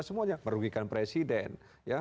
semuanya merugikan presiden ya